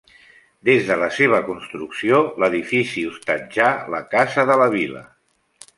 Des de la seva construcció l'edifici hostatjà la Casa de la Vila.